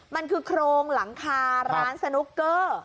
มันคือโครงหลังคาร้านสนุกเกอร์